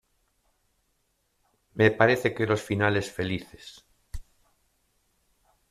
me parece que los finales felices